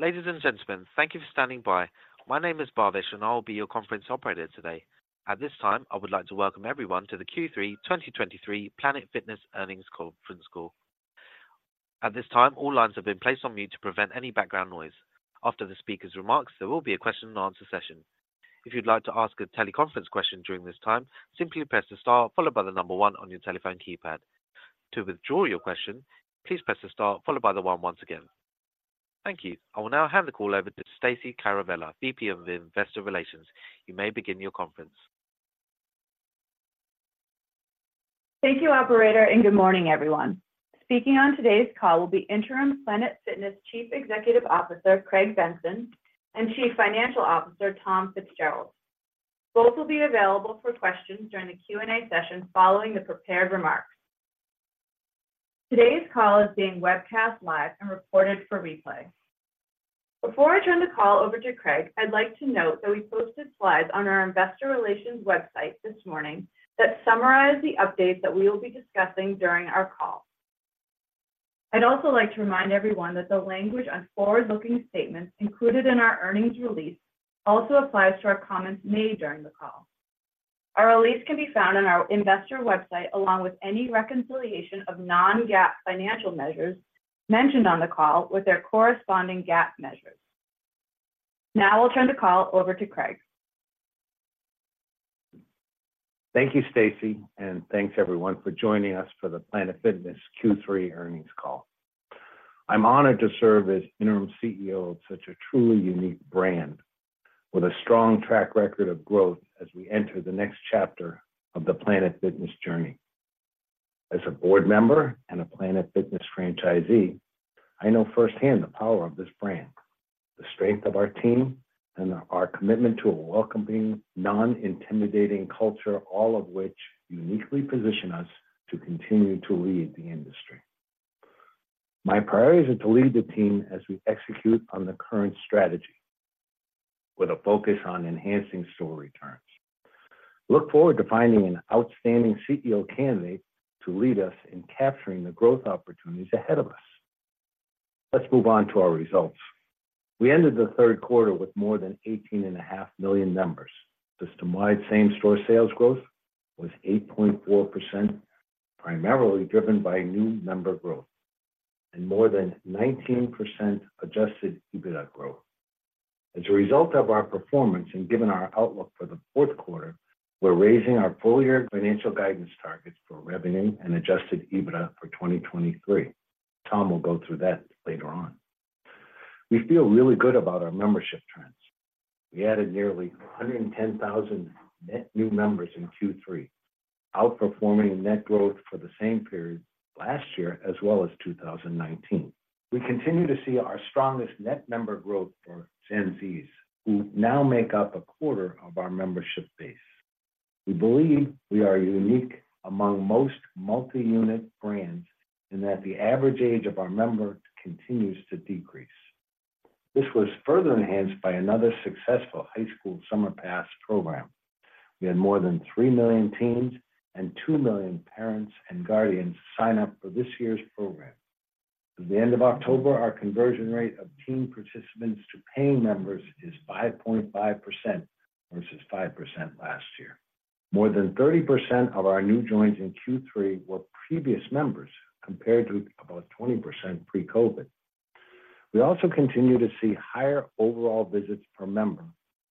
Ladies and gentlemen, thank you for standing by. My name is Bardish, and I will be your conference operator today. At this time, I would like to welcome everyone to the Q3 2023 Planet Fitness Earnings Conference Call. At this time, all lines have been placed on mute to prevent any background noise. After the speaker's remarks, there will be a question and answer session. If you'd like to ask a teleconference question during this time, simply press the star followed by the number one on your telephone keypad. To withdraw your question, please press the star followed by the one once again. Thank you. I will now hand the call over to Stacey Caravella, VP of Investor Relations. You may begin your conference. Thank you, operator, and good morning, everyone. Speaking on today's call will be Interim Planet Fitness Chief Executive Officer, Craig Benson, and Chief Financial Officer, Tom Fitzgerald. Both will be available for questions during the Q&A session following the prepared remarks. Today's call is being webcast live and recorded for replay. Before I turn the call over to Craig, I'd like to note that we posted slides on our investor relations website this morning that summarize the updates that we will be discussing during our call. I'd also like to remind everyone that the language on forward-looking statements included in our earnings release also applies to our comments made during the call. Our release can be found on our investor website, along with any reconciliation of non-GAAP financial measures mentioned on the call with their corresponding GAAP measures. Now I'll turn the call over to Craig. Thank you, Stacy, and thanks everyone for joining us for the Planet Fitness Q3 earnings call. I'm honored to serve as Interim CEO of such a truly unique brand, with a strong track record of growth as we enter the next chapter of the Planet Fitness journey. As a board member and a Planet Fitness franchisee, I know firsthand the power of this brand, the strength of our team, and our commitment to a welcoming, non-intimidating culture, all of which uniquely position us to continue to lead the industry. My priorities are to lead the team as we execute on the current strategy with a focus on enhancing store returns. Look forward to finding an outstanding CEO candidate to lead us in capturing the growth opportunities ahead of us. Let's move on to our results. We ended the third quarter with more than 18.5 million members. System-wide same-store sales growth was 8.4%, primarily driven by new member growth and more than 19% Adjusted EBITDA growth. As a result of our performance and given our outlook for the fourth quarter, we're raising our full-year financial guidance targets for revenue and Adjusted EBITDA for 2023. Tom will go through that later on. We feel really good about our membership trends. We added nearly 110,000 net new members in Q3, outperforming net growth for the same period last year, as well as 2019. We continue to see our strongest net member growth for Gen Z, who now make up a quarter of our membership base. We believe we are unique among most multi-unit brands, and that the average age of our members continues to decrease. This was further enhanced by another successful High School Summer Pass program. We had more than 3 million teens and 2 million parents and guardians sign up for this year's program. At the end of October, our conversion rate of teen participants to paying members is 5.5% versus 5% last year. More than 30% of our new joins in Q3 were previous members, compared to about 20% pre-COVID. We also continue to see higher overall visits per member,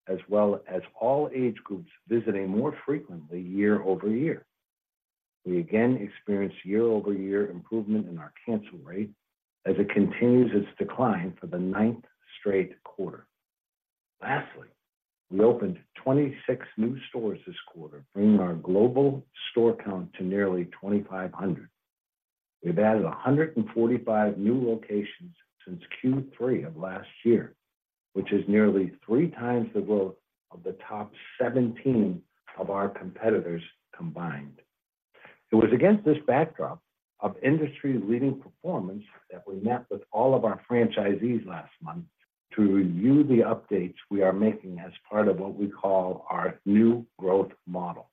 as well as all age groups visiting more frequently year-over-year. We again experienced year-over-year improvement in our cancel rate as it continues its decline for the ninth straight quarter. Lastly, we opened 26 new stores this quarter, bringing our global store count to nearly 2,500. We've added 145 new locations since Q3 of last year, which is nearly 3 times the growth of the top 17 of our competitors combined. It was against this backdrop of industry-leading performance that we met with all of our franchisees last month to review the updates we are making as part of what we call our new growth model.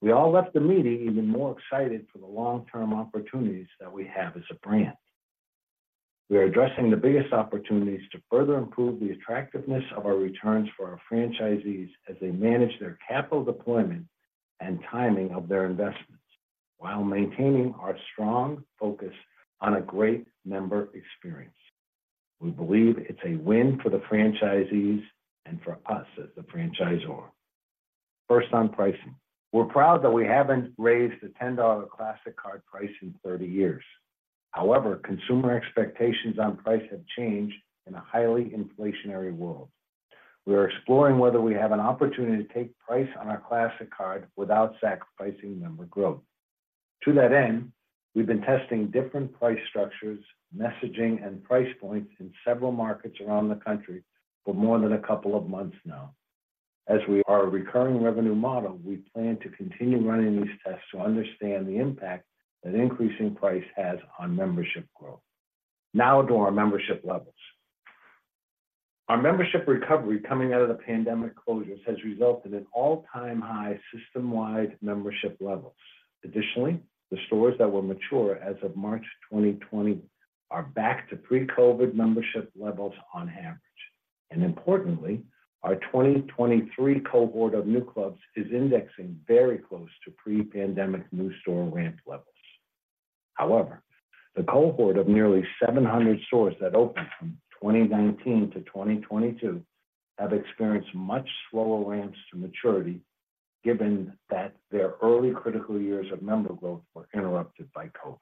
We all left the meeting even more excited for the long-term opportunities that we have as a brand. We are addressing the biggest opportunities to further improve the attractiveness of our returns for our franchisees as they manage their capital deployment and timing of their investments, while maintaining our strong focus on a great member experience. We believe it's a win for the franchisees and for us as the franchisor. First on pricing. We're proud that we haven't raised the $10 Classic Card price in 30 years. However, consumer expectations on price have changed in a highly inflationary world. We are exploring whether we have an opportunity to take price on our Classic Card without sacrificing member growth. To that end, we've been testing different price structures, messaging, and price points in several markets around the country for more than a couple of months now. As we are a recurring revenue model, we plan to continue running these tests to understand the impact that increasing price has on membership growth. Now to our membership levels. Our membership recovery coming out of the pandemic closures has resulted in an all-time high system-wide membership levels. Additionally, the stores that were mature as of March 2020 are back to pre-COVID membership levels on average. Importantly, our 2023 cohort of new clubs is indexing very close to pre-pandemic new store ramp levels. However, the cohort of nearly 700 stores that opened from 2019 to 2022 have experienced much slower ramps to maturity, given that their early critical years of member growth were interrupted by COVID.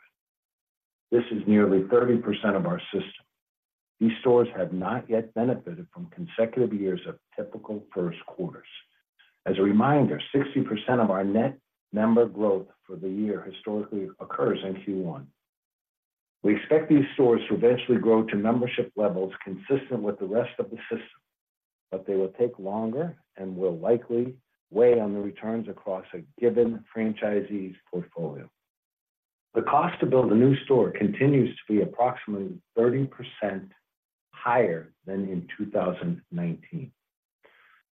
This is nearly 30% of our system. These stores have not yet benefited from consecutive years of typical first quarters. As a reminder, 60% of our net member growth for the year historically occurs in Q1. We expect these stores to eventually grow to membership levels consistent with the rest of the system, but they will take longer and will likely weigh on the returns across a given franchisee's portfolio. The cost to build a new store continues to be approximately 30% higher than in 2019.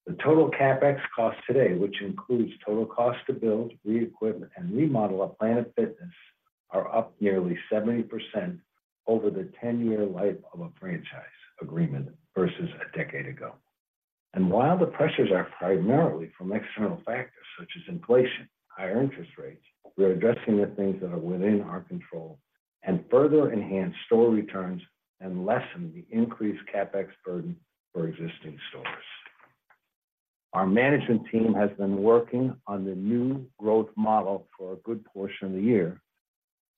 The total CapEx cost today, which includes total cost to build, re-equip, and remodel a Planet Fitness, are up nearly 70% over the 10-year life of a franchise agreement versus a decade ago. While the pressures are primarily from external factors such as inflation, higher interest rates, we are addressing the things that are within our control and further enhance store returns and lessen the increased CapEx burden for existing stores. Our management team has been working on the new growth model for a good portion of the year,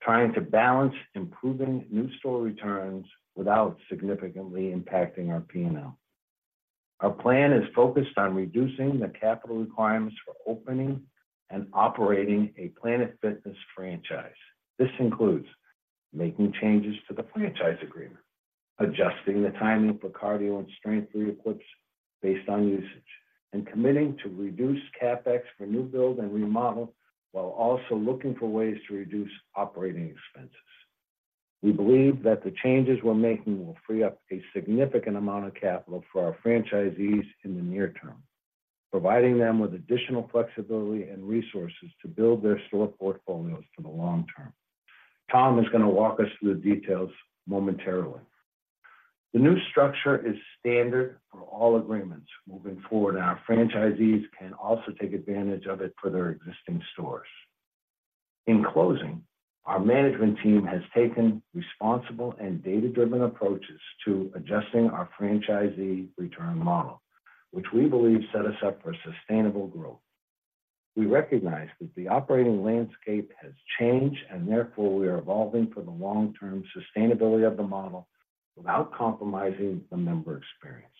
trying to balance improving new store returns without significantly impacting our P&L. Our plan is focused on reducing the capital requirements for opening and operating a Planet Fitness franchise. This includes making changes to the franchise agreement, adjusting the timing for cardio and strength re-equips based on usage, and committing to reduce CapEx for new build and remodel, while also looking for ways to reduce operating expenses. We believe that the changes we're making will free up a significant amount of capital for our franchisees in the near term, providing them with additional flexibility and resources to build their store portfolios for the long term. Tom is going to walk us through the details momentarily. The new structure is standard for all agreements. Moving forward, our franchisees can also take advantage of it for their existing stores. In closing, our management team has taken responsible and data-driven approaches to adjusting our franchisee return model, which we believe set us up for sustainable growth. We recognize that the operating landscape has changed, and therefore, we are evolving for the long-term sustainability of the model without compromising the member experience.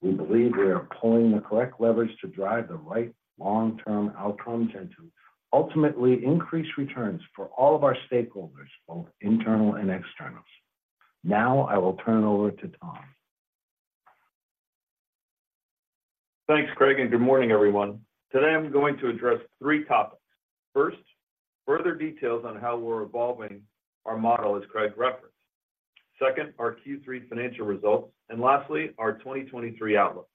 We believe we are pulling the correct leverage to drive the right long-term outcomes and to ultimately increase returns for all of our stakeholders, both internal and external. Now, I will turn it over to Tom. Thanks, Craig, and good morning, everyone. Today, I'm going to address three topics. First, further details on how we're evolving our model, as Craig referenced. Second, our Q3 financial results, and lastly, our 2023 outlook.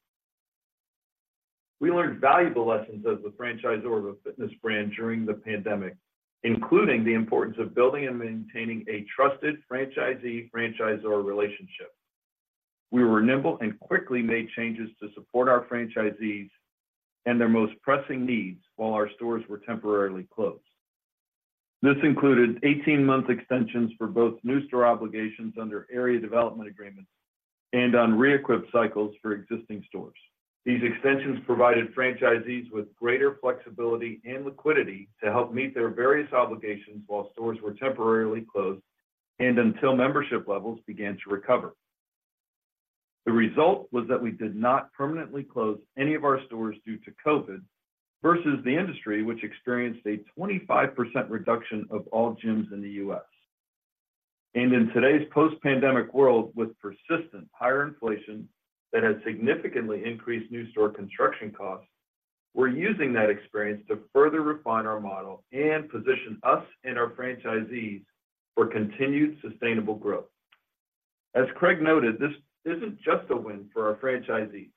We learned valuable lessons as the franchisor of a fitness brand during the pandemic, including the importance of building and maintaining a trusted franchisee-franchisor relationship. We were nimble and quickly made changes to support our franchisees and their most pressing needs while our stores were temporarily closed. This included 18-month extensions for both new store obligations under area development agreements and on re-equip cycles for existing stores. These extensions provided franchisees with greater flexibility and liquidity to help meet their various obligations while stores were temporarily closed and until membership levels began to recover. The result was that we did not permanently close any of our stores due to COVID, versus the industry, which experienced a 25% reduction of all gyms in the U.S. In today's post-pandemic world, with persistent higher inflation that has significantly increased new store construction costs, we're using that experience to further refine our model and position us and our franchisees for continued sustainable growth. As Craig noted, this isn't just a win for our franchisees,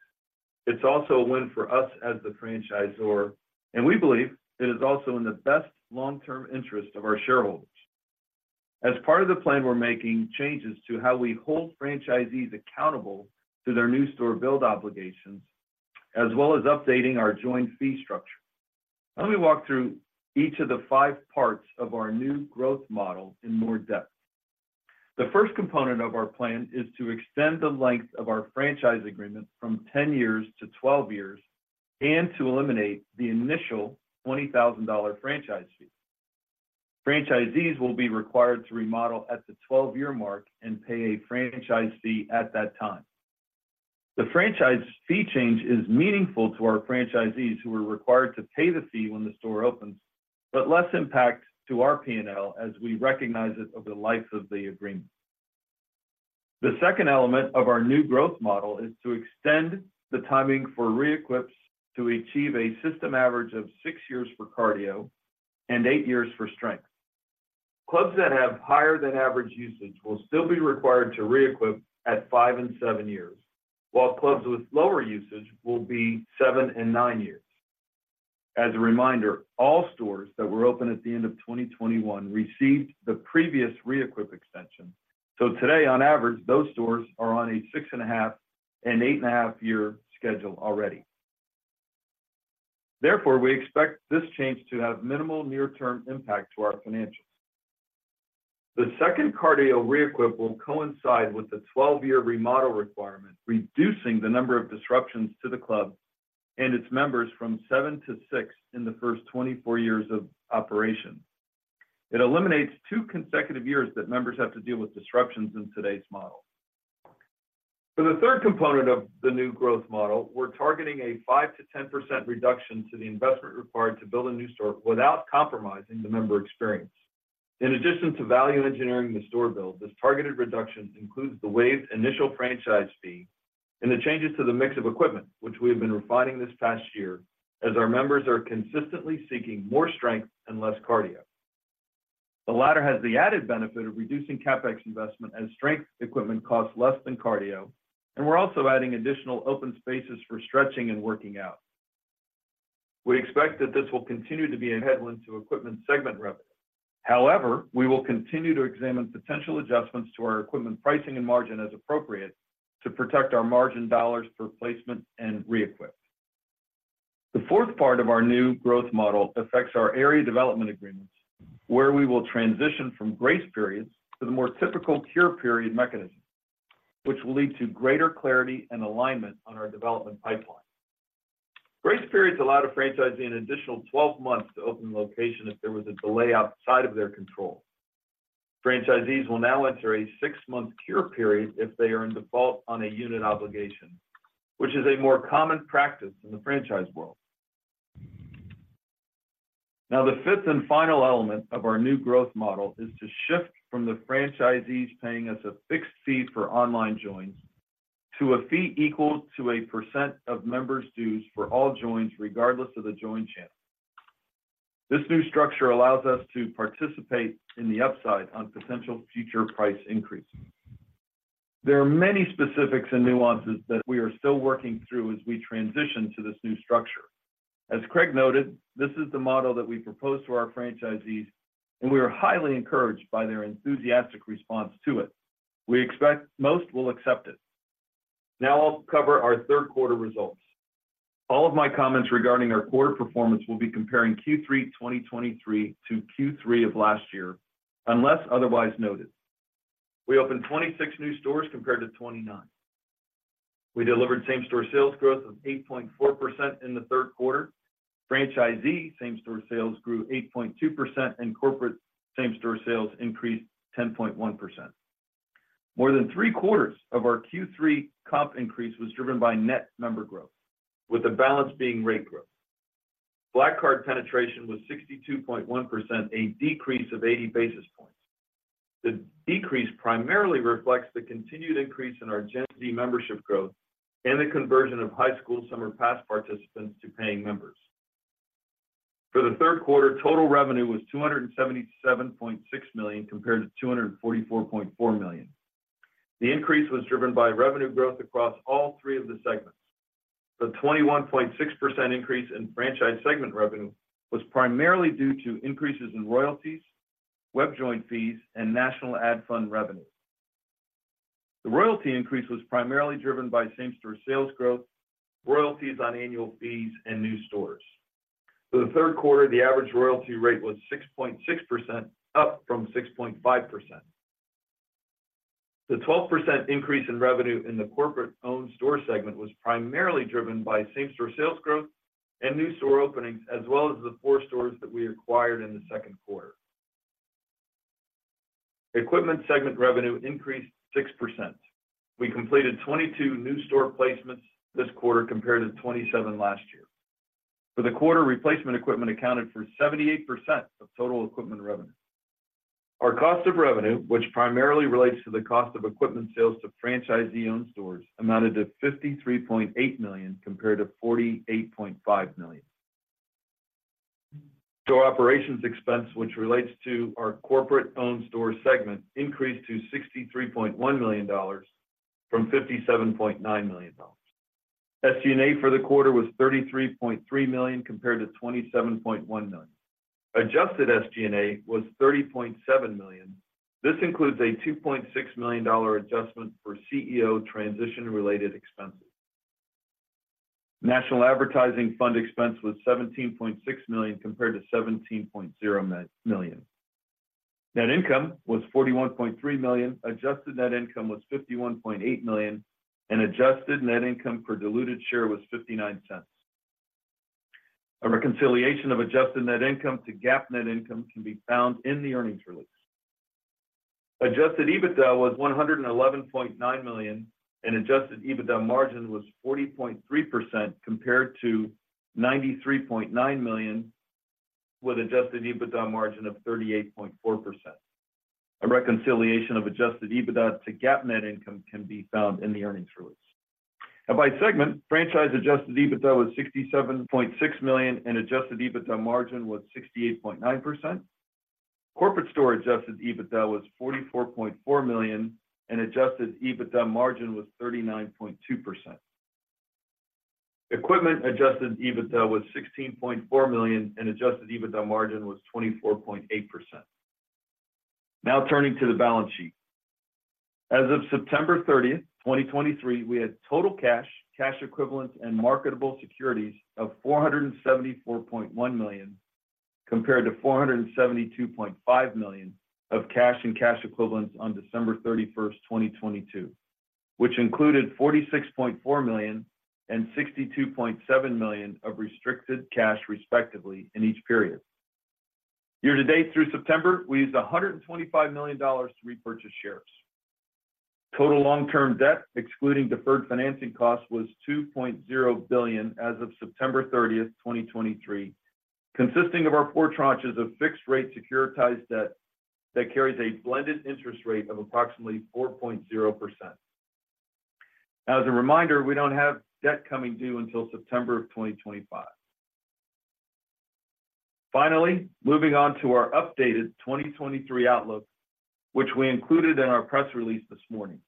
it's also a win for us as the franchisor, and we believe it is also in the best long-term interest of our shareholders. As part of the plan, we're making changes to how we hold franchisees accountable to their new store build obligations, as well as updating our joint fee structure. Let me walk through each of the five parts of our new growth model in more depth. The first component of our plan is to extend the length of our franchise agreement from 10 years to 12 years and to eliminate the initial $20,000 franchise fee. Franchisees will be required to remodel at the 12-year mark and pay a franchise fee at that time. The franchise fee change is meaningful to our franchisees who are required to pay the fee when the store opens, but less impact to our P&L as we recognize it over the life of the agreement. The second element of our new growth model is to extend the timing for re-equips to achieve a system average of 6 years for cardio and 8 years for strength. Clubs that have higher than average usage will still be required to re-equip at 5 and 7 years, while clubs with lower usage will be 7 and 9 years. As a reminder, all stores that were open at the end of 2021 received the previous re-equip extension. So today, on average, those stores are on a 6.5- and 8.5-year schedule already. Therefore, we expect this change to have minimal near-term impact to our financials. The second cardio re-equip will coincide with the 12-year remodel requirement, reducing the number of disruptions to the club and its members from 7 to 6 in the first 24 years of operation. It eliminates 2 consecutive years that members have to deal with disruptions in today's model. For the third component of the new growth model, we're targeting a 5%-10% reduction to the investment required to build a new store without compromising the member experience. In addition to value engineering the store build, this targeted reduction includes the waived initial franchise fee and the changes to the mix of equipment, which we have been refining this past year as our members are consistently seeking more strength and less cardio. The latter has the added benefit of reducing CapEx investment, as strength equipment costs less than cardio, and we're also adding additional open spaces for stretching and working out. We expect that this will continue to be a headwind to equipment segment revenue. However, we will continue to examine potential adjustments to our equipment pricing and margin as appropriate, to protect our margin dollars for placement and re-equip. The fourth part of our new growth model affects our area development agreements, where we will transition from grace periods to the more typical cure period mechanism, which will lead to greater clarity and alignment on our development pipeline. Grace periods allow the franchisee an additional 12 months to open the location if there was a delay outside of their control. Franchisees will now enter a six-month cure period if they are in default on a unit obligation, which is a more common practice in the franchise world. Now, the fifth and final element of our new growth model is to shift from the franchisees paying us a fixed fee for online joins to a fee equal to a percent of members' dues for all joins, regardless of the join channel. This new structure allows us to participate in the upside on potential future price increases. There are many specifics and nuances that we are still working through as we transition to this new structure. As Craig noted, this is the model that we proposed to our franchisees, and we are highly encouraged by their enthusiastic response to it. We expect most will accept it. Now I'll cover our third quarter results. All of my comments regarding our quarter performance will be comparing Q3 2023 to Q3 of last year, unless otherwise noted. We opened 26 new stores compared to 29. We delivered same-store sales growth of 8.4% in the third quarter. Franchisee same-store sales grew 8.2%, and corporate same-store sales increased 10.1%. More than three-quarters of our Q3 comp increase was driven by net member growth, with the balance being rate growth. Black Card penetration was 62.1%, a decrease of 80 basis points. The decrease primarily reflects the continued increase in our Gen Z membership growth and the conversion of high school summer pass participants to paying members. For the third quarter, total revenue was $277.6 million, compared to $244.4 million. The increase was driven by revenue growth across all three of the segments. The 21.6% increase in franchise segment revenue was primarily due to increases in royalties, web join fees, and National Ad Fund revenue. The royalty increase was primarily driven by same-store sales growth, royalties on annual fees, and new stores. For the third quarter, the average royalty rate was 6.6%, up from 6.5%. The 12% increase in revenue in the corporate-owned store segment was primarily driven by same-store sales growth and new store openings, as well as the four stores that we acquired in the second quarter. Equipment segment revenue increased 6%. We completed 22 new store placements this quarter, compared to 27 last year. For the quarter, replacement equipment accounted for 78% of total equipment revenue. Our cost of revenue, which primarily relates to the cost of equipment sales to franchisee-owned stores, amounted to $53.8 million, compared to $48.5 million. Store operations expense, which relates to our corporate-owned store segment, increased to $63.1 million from $57.9 million. SG&A for the quarter was $33.3 million, compared to $27.1 million. Adjusted SG&A was $30.7 million. This includes a $2.6 million adjustment for CEO transition-related expenses. National Advertising Fund expense was $17.6 million, compared to $17.0 million. Net income was $41.3 million. Adjusted Net Income was $51.8 million, and Adjusted Net Income per diluted share was $0.59. A reconciliation of Adjusted Net Income to GAAP net income can be found in the earnings release. Adjusted EBITDA was $111.9 million, and Adjusted EBITDA margin was 40.3%, compared to $93.9 million, with Adjusted EBITDA margin of 38.4%. A reconciliation of Adjusted EBITDA to GAAP net income can be found in the earnings release. And by segment, franchise Adjusted EBITDA was $67.6 million, and Adjusted EBITDA margin was 68.9%. Corporate store Adjusted EBITDA was $44.4 million, and Adjusted EBITDA margin was 39.2%. Equipment Adjusted EBITDA was $16.4 million, and Adjusted EBITDA margin was 24.8%. Now, turning to the balance sheet. As of September 30th, 2023, we had total cash, cash equivalents, and marketable securities of $474.1 million, compared to $472.5 million of cash and cash equivalents on December 31st, 2022, which included $46.4 million and $62.7 million of restricted cash, respectively, in each period. Year-to-date through September, we used $125 million to repurchase shares. Total long-term debt, excluding deferred financing costs, was $2.0 billion as of September 30th, 2023, consisting of our 4 tranches of fixed-rate securitized debt that carries a blended interest rate of approximately 4.0%. As a reminder, we don't have debt coming due until September of 2025. Finally, moving on to our updated 2023 outlook, which we included in our press release this morning.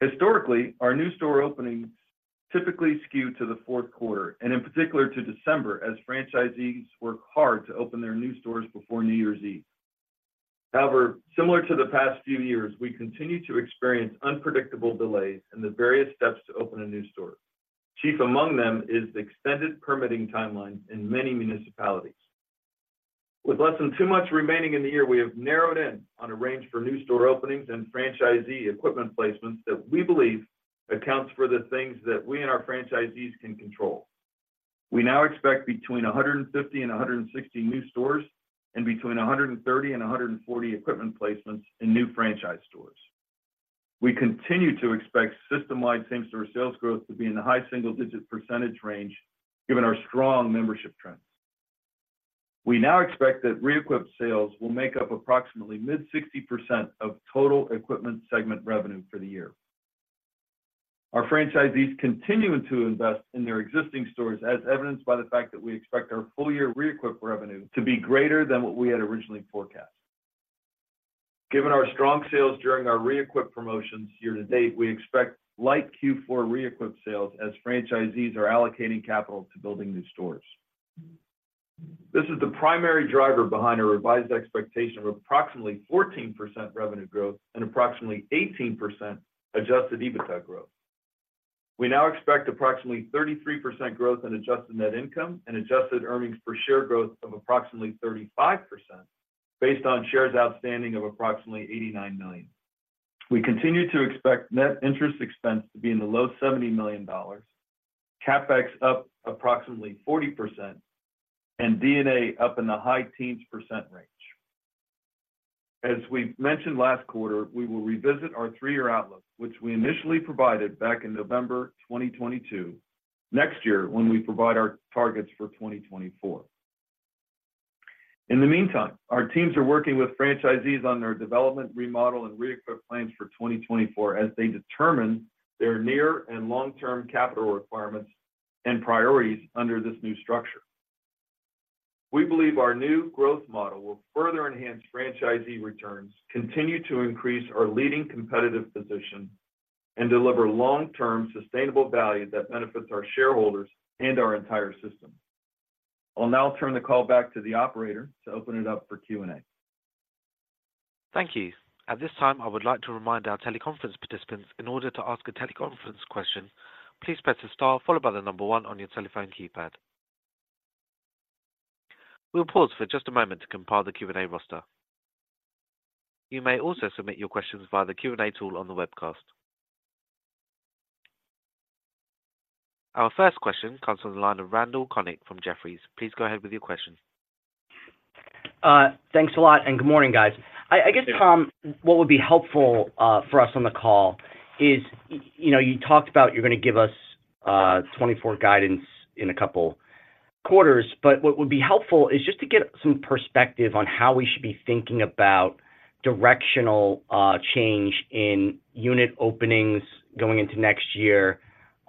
Historically, our new store openings typically skew to the fourth quarter, and in particular to December, as franchisees work hard to open their new stores before New Year's Eve. However, similar to the past few years, we continue to experience unpredictable delays in the various steps to open a new store. Chief among them is the extended permitting timeline in many municipalities. With less than two months remaining in the year, we have narrowed in on a range for new store openings and franchisee equipment placements that we believe accounts for the things that we and our franchisees can control. We now expect between 150 and 160 new stores, and between 130 and 140 equipment placements in new franchise stores. We continue to expect system-wide same-store sales growth to be in the high single-digit % range, given our strong membership trends. We now expect that re-equip sales will make up approximately mid-60% of total equipment segment revenue for the year. Our franchisees continue to invest in their existing stores, as evidenced by the fact that we expect our full-year re-equip revenue to be greater than what we had originally forecast. Given our strong sales during our re-equip promotions year to date, we expect light Q4 re-equip sales as franchisees are allocating capital to building new stores. This is the primary driver behind our revised expectation of approximately 14% revenue growth and approximately 18% Adjusted EBITDA growth. We now expect approximately 33% growth in Adjusted Net Income and Adjusted Earnings Per share growth of approximately 35%, based on shares outstanding of approximately 89 million. We continue to expect net interest expense to be in the low $70 million, CapEx up approximately 40%, and D&A up in the high teens % range. As we mentioned last quarter, we will revisit our 3-year outlook, which we initially provided back in November 2022, next year when we provide our targets for 2024. In the meantime, our teams are working with franchisees on their development, remodel, and re-equip plans for 2024 as they determine their near and long-term capital requirements and priorities under this new structure. We believe our new growth model will further enhance franchisee returns, continue to increase our leading competitive position, and deliver long-term sustainable value that benefits our shareholders and our entire system. I'll now turn the call back to the operator to open it up for Q&A. Thank you. At this time, I would like to remind our teleconference participants, in order to ask a teleconference question, please press star followed by the number 1 on your telephone keypad. We'll pause for just a moment to compile the Q&A roster. You may also submit your questions via the Q&A tool on the webcast. Our first question comes from the line of Randal Konik from Jefferies. Please go ahead with your question. Thanks a lot, and good morning, guys. I guess, Tom, what would be helpful for us on the call is, you know, you talked about you're going to give us 24 guidance in a couple quarters, but what would be helpful is just to get some perspective on how we should be thinking about directional change in unit openings going into next year,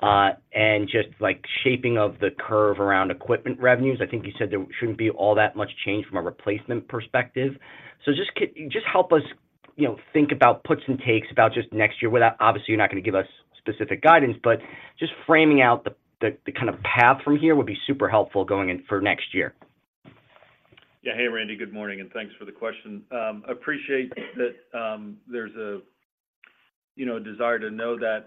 and just, like, shaping of the curve around equipment revenues. I think you said there shouldn't be all that much change from a replacement perspective. So just help us, you know, think about puts and takes about just next year. Without... Obviously, you're not going to give us specific guidance, but just framing out the kind of path from here would be super helpful going in for next year. Yeah. Hey, Randy, good morning, and thanks for the question. Appreciate that, there's a, you know, desire to know that,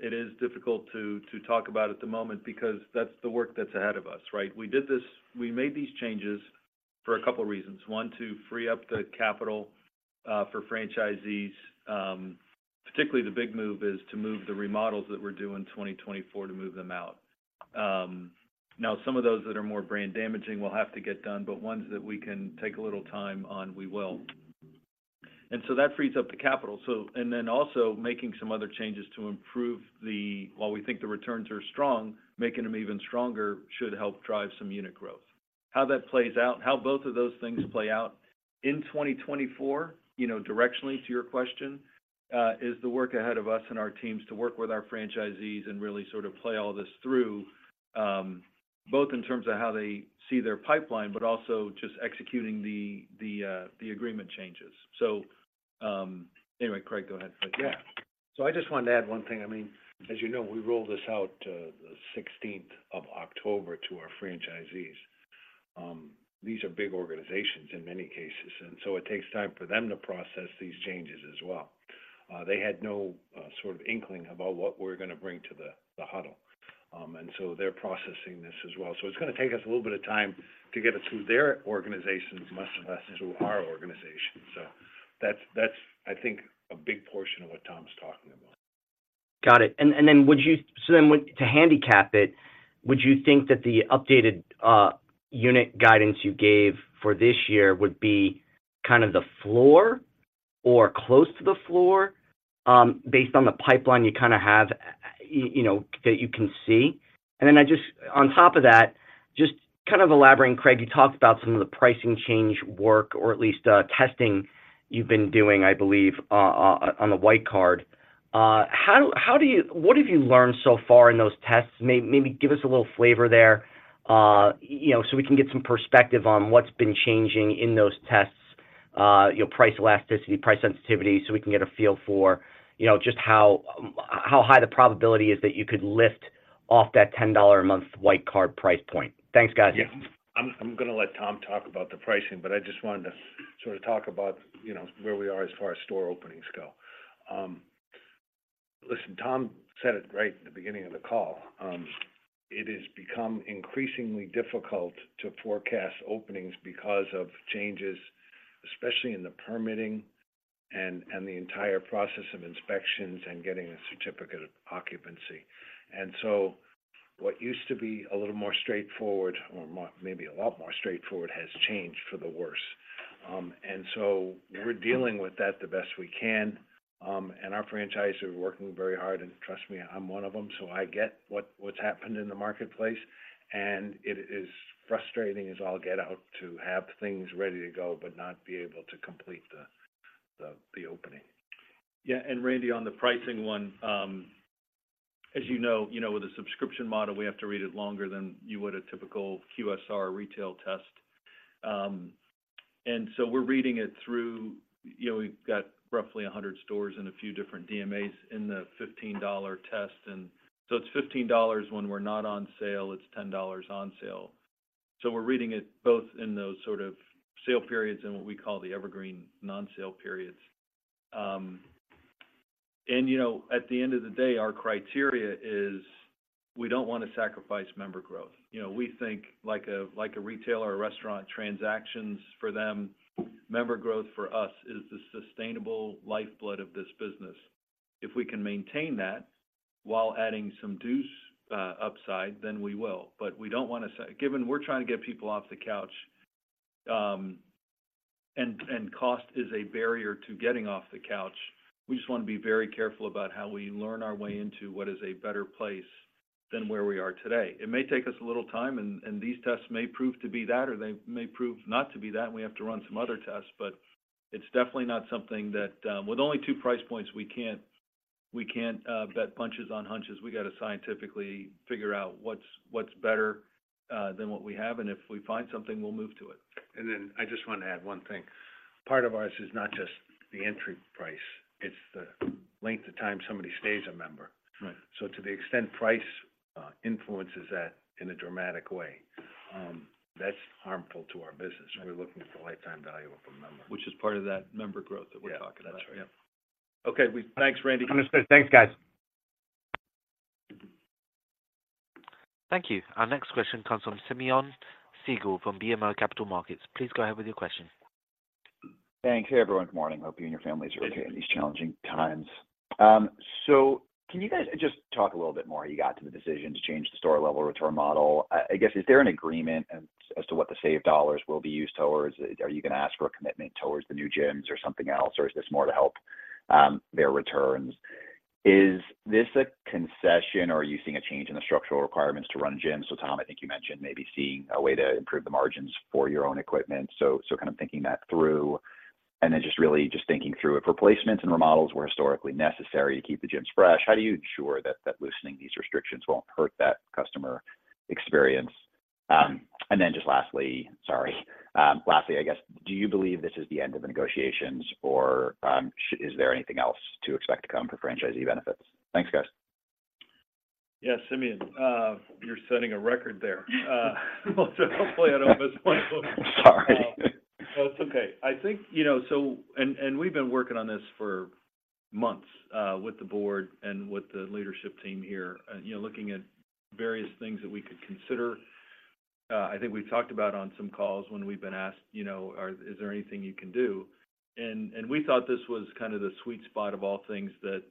it is difficult to talk about at the moment because that's the work that's ahead of us, right? We made these changes for a couple reasons. One, to free up the capital for franchisees, particularly the big move is to move the remodels that we're doing in 2024 to move them out. Now, some of those that are more brand damaging will have to get done, but ones that we can take a little time on, we will. And so that frees up the capital. So, and then also making some other changes to improve the—while we think the returns are strong, making them even stronger should help drive some unit growth. how that plays out, how both of those things play out in 2024, you know, directionally to your question, is the work ahead of us and our teams to work with our franchisees and really sort of play all this through, both in terms of how they see their pipeline, but also just executing the agreement changes. So, anyway, Craig, go ahead. Yeah. So I just wanted to add one thing. I mean, as you know, we rolled this out, the sixteenth of October to our franchisees. These are big organizations in many cases, and so it takes time for them to process these changes as well. They had no sort of inkling about what we're gonna bring to the Huddle. And so they're processing this as well. So it's gonna take us a little bit of time to get it through their organizations, much less through our organization. So that's, I think, a big portion of what Tom's talking about. Got it. And then, to handicap it, would you think that the updated unit guidance you gave for this year would be kind of the floor or close to the floor, based on the pipeline you kind of have, you know, that you can see? And then, on top of that, just kind of elaborating, Craig, you talked about some of the pricing change work or at least testing you've been doing, I believe, on the white card. How do you... What have you learned so far in those tests? Maybe give us a little flavor there, you know, so we can get some perspective on what's been changing in those tests, you know, price elasticity, price sensitivity, so we can get a feel for, you know, just how, how high the probability is that you could lift off that $10 a month white card price point. Thanks, guys. Yeah. I'm gonna let Tom talk about the pricing, but I just wanted to sort of talk about, you know, where we are as far as store openings go. Listen, Tom said it right at the beginning of the call. It has become increasingly difficult to forecast openings because of changes, especially in the permitting and the entire process of inspections and getting a certificate of occupancy. And so what used to be a little more straightforward or more, maybe a lot more straightforward, has changed for the worse. And so we're dealing with that the best we can. And our franchisees are working very hard, and trust me, I'm one of them, so I get what's happened in the marketplace. It is frustrating as all get out to have things ready to go but not be able to complete the opening. Yeah, and Randy, on the pricing one, as you know, you know, with a subscription model, we have to read it longer than you would a typical QSR retail test. And so we're reading it through... You know, we've got roughly 100 stores in a few different DMAs in the $15 test, and so it's $15 when we're not on sale, it's $10 on sale. So we're reading it both in those sort of sale periods and what we call the evergreen non-sale periods. And, you know, at the end of the day, our criteria is we don't want to sacrifice member growth. You know, we think like a, like a retailer or restaurant, transactions for them, member growth for us, is the sustainable lifeblood of this business. If we can maintain that while adding some dues, upside, then we will. But we don't want to, given we're trying to get people off the couch, and cost is a barrier to getting off the couch, we just want to be very careful about how we learn our way into what is a better place than where we are today. It may take us a little time, and these tests may prove to be that, or they may prove not to be that, and we have to run some other tests, but it's definitely not something that. With only two price points, we can't, we can't bet hunches on hunches. We got to scientifically figure out what's better than what we have, and if we find something, we'll move to it. I just want to add one thing. Part of this is not just the entry price, it's the length of time somebody stays a member. Right. To the extent price influences that in a dramatic way, that's harmful to our business. Right. We're looking for the lifetime value of a member. Which is part of that member growth that we're talking about. Yeah, that's right. Yeah. Okay, thanks, Randy. Understand. Thanks, guys. Thank you. Our next question comes from Simeon Siegel from BMO Capital Markets. Please go ahead with your question. Thanks. Hey, everyone. Good morning. Hope you and your families are okay in these challenging times. So can you guys just talk a little bit more how you got to the decision to change the store-level return model? I guess, is there an agreement as to what the saved dollars will be used towards? Are you gonna ask for a commitment towards the new gyms or something else, or is this more to help their returns? Is this a concession, or are you seeing a change in the structural requirements to run gyms? So Tom, I think you mentioned maybe seeing a way to improve the margins for your own equipment, so kind of thinking that through. And then just really just thinking through, if replacements and remodels were historically necessary to keep the gyms fresh, how do you ensure that, that loosening these restrictions won't hurt that customer experience? And then just lastly, sorry. Lastly, I guess, do you believe this is the end of the negotiations, or, is there anything else to expect to come for franchisee benefits? Thanks, guys. Yeah, Simeon, you're setting a record there. So hopefully, I don't miss one. Sorry. No, it's okay. I think, you know, so... And we've been working on this for months with the board and with the leadership team here, you know, looking at various things that we could consider. I think we've talked about on some calls when we've been asked, you know, "Is there anything you can do?" And we thought this was kind of the sweet spot of all things that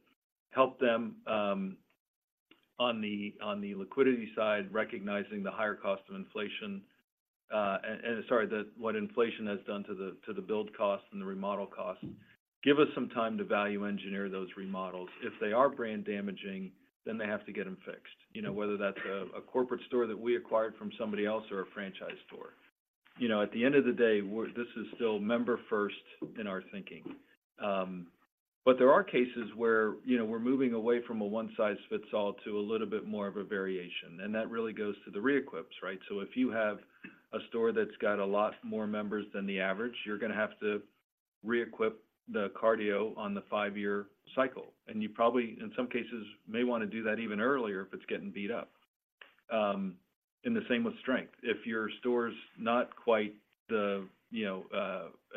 helped them on the liquidity side, recognizing the higher cost of inflation. And sorry, the, what inflation has done to the build cost and the remodel cost. Give us some time to value engineer those remodels. If they are brand damaging, then they have to get them fixed. You know, whether that's a corporate store that we acquired from somebody else or a franchise store... You know, at the end of the day, we're. This is still member first in our thinking. But there are cases where, you know, we're moving away from a one size fits all to a little bit more of a variation, and that really goes to the re-equips, right? So if you have a store that's got a lot more members than the average, you're gonna have to re-equip the cardio on the five-year cycle. And you probably, in some cases, may wanna do that even earlier if it's getting beat up. And the same with strength. If your store's not quite the, you know,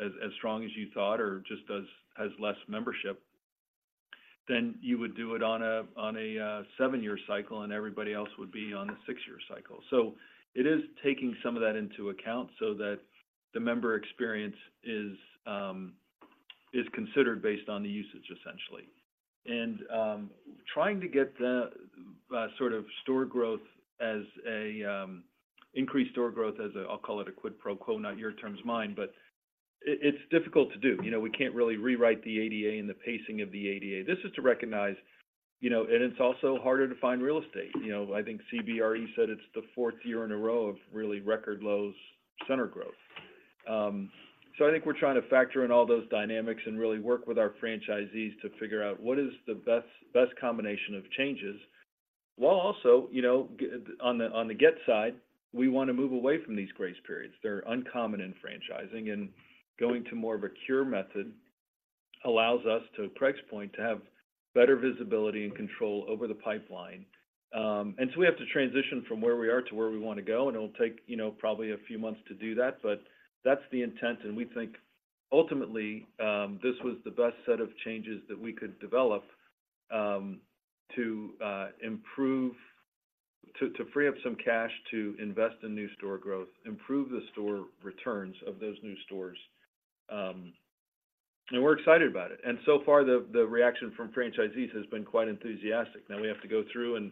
as strong as you thought or just has less membership, then you would do it on a seven-year cycle, and everybody else would be on a six-year cycle. So it is taking some of that into account so that the member experience is, is considered based on the usage, essentially. And, trying to get the, sort of store growth as a, increased store growth, as a... I'll call it a quid pro quo, not your terms, mine, but it, it's difficult to do. You know, we can't really rewrite the ADA and the pacing of the ADA. This is to recognize, you know, and it's also harder to find real estate. You know, I think CBRE said it's the fourth year in a row of really record lows center growth. So I think we're trying to factor in all those dynamics and really work with our franchisees to figure out what is the best, best combination of changes, while also, you know, going on the get side, we want to move away from these grace periods. They're uncommon in franchising, and going to more of a cure method allows us, to Craig's point, to have better visibility and control over the pipeline. And so we have to transition from where we are to where we want to go, and it'll take, you know, probably a few months to do that, but that's the intent, and we think ultimately, this was the best set of changes that we could develop, to free up some cash to invest in new store growth, improve the store returns of those new stores. And we're excited about it. So far, the reaction from franchisees has been quite enthusiastic. Now we have to go through and